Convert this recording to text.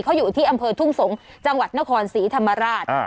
เขาอยู่ที่อำเภอทุ่งสงศ์จังหวัดนครศรีธรรมราช